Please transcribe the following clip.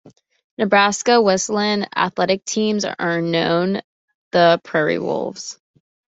Nebraska Wesleyan athletic teams are known the Prairie Wolves.